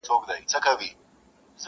ساتلی مي د زړه حرم کي ستا ښکلی تصویر دی.